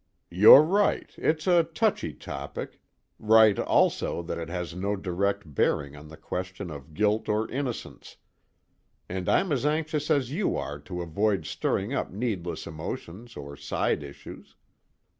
"You're right it's a touchy topic, right also that it has no direct bearing on the question of guilt or innocence; and I'm as anxious as you are to avoid stirring up needless emotions or side issues.